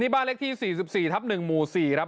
บ้านเลขที่๔๔ทับ๑หมู่๔ครับ